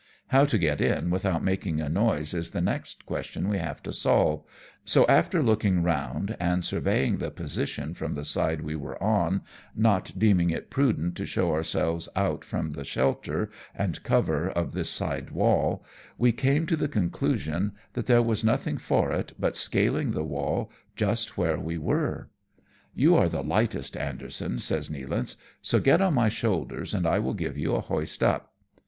How to get in without making a noise is the next question we have to solve, so after looking round and surveying the position from the side we were on, not deeming it prudent to show ourselves out from the shelter and cover of this side wall, we came to the conclusion that there was nothing for it, but scaling the wall just where we were. " You are the lightest, Anderson," sa ys Nealance, " so get on my shoulders, and I will give you a hoist up."